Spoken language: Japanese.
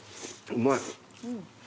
うまい。